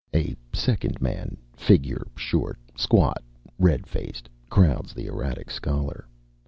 A second man, figure short, squat, red faced, crowds the erratic scholar.